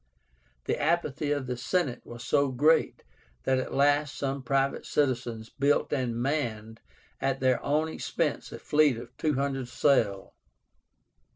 The apathy of the Senate was so great, that at last some private citizens built and manned at their own expense a fleet of 200 sail.